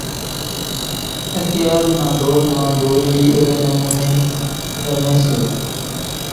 اتيار نا ڌور مان ڌوڙيلي ايوي نموني ٿي رمي سي۔